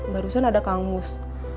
barusan ada kangmus